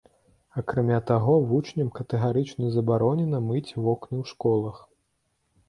Акрамя таго, вучням катэгарычна забаронена мыць вокны ў школах.